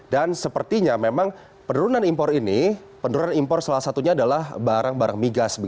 dan sepertinya memang penurunan impor ini penurunan impor salah satunya adalah barang barang migas